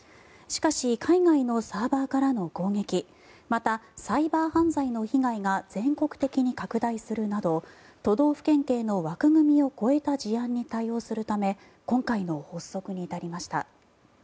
しかし海外のサーバーからの攻撃またサイバー犯罪の被害が全国的に拡大するなど都道府県警の枠組みを超えた事案に対応するため今回の発足に至りました。